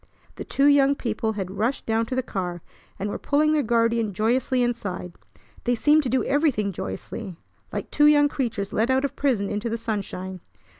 The two young people had rushed down to the car, and were pulling their guardian joyously inside. They seemed to do everything joyously, like two young creatures let out of prison into the sunshine.